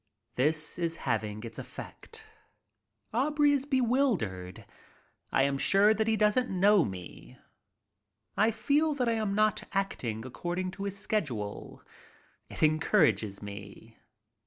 This is having its effect. Aubrey is bewildered. I am sure that he doesn't know me. I feel that I am not acting according to his schedule. It encourages me.